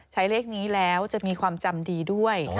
ใช้เลขนี้แล้วจะมีความจำดีด้วย